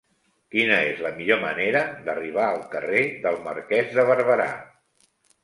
Quina és la millor manera d'arribar al carrer del Marquès de Barberà?